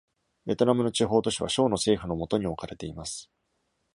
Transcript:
ベトナムの地方都市は省の政府の下に置かれています。